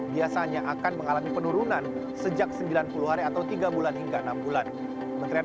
biasanya akan mengalami penurunan sejak sembilan puluh hari atau tiga bulan hingga enam bulan kementerian